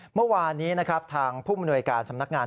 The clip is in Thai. เมื่อวานนี้นะครับทางผู้มนวยการสำนักงาน